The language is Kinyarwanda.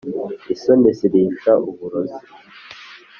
Isoni zirisha uburozi.